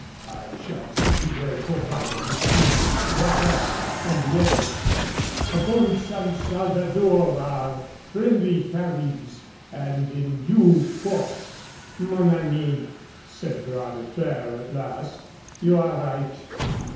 I shall see you well provided with food, water, and weapons. Upon San Salvador are friendly Caribs, and in due course " "Mon ami," said Bras de Fer at last, "you are right.